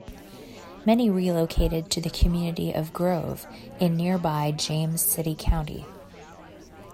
Many relocated to the community of Grove in nearby James City County.